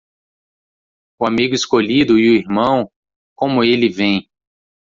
O amigo escolhido e o irmão como ele vem.